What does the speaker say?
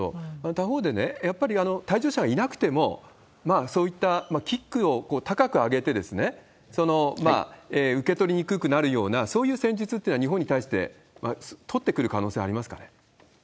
他方でね、やっぱり退場者がいなくても、そういったキックを高く上げて、受け取りにくくなるような、そういう戦術ってのは、日本に対して取ってくる可能性ありますかね？